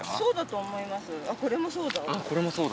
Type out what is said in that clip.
これもそうだ。